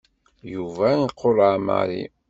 Yuba iqureɛ Mary.